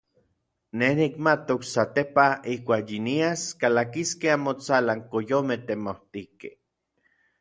Nej nikmatok satepaj ijkuak yinias kalakiskej anmotsalan koyomej temautijkej.